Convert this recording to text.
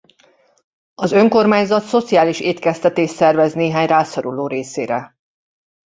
Az önkormányzat szociális étkeztetést szervez néhány rászoruló részére.